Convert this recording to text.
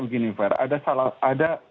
begini ver ada salah ada